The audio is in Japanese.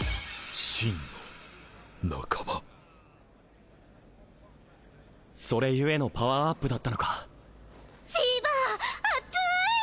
真の仲間それゆえのパワーアップだったのかフィーバーあっつーい